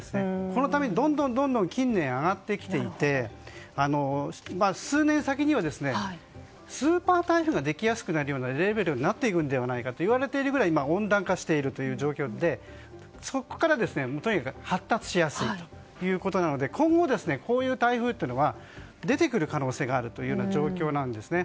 このためにどんどんと近年上がってきていて数年先にはスーパー台風ができやすくなるようなレベルになっているのではないかと言われているくらい今、温暖化している状況でそこから発達しやすいということで今後、こういう台風が出てくる可能性があるという状況なんです。